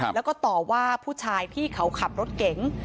แล้วก็ต่อว่าผู้ชายที่เขาขับรถเก๋ง